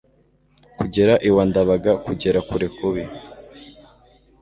kugera iwa ndabaga kugera kure kubi